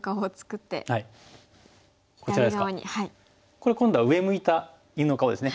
これ今度は上向いた犬の顔ですね。